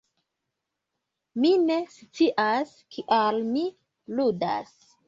Mi ne scias kial mi ludas